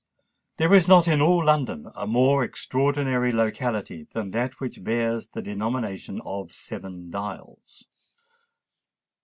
There is not in all London a more extraordinary locality than that which bears the denomination of Seven Dials.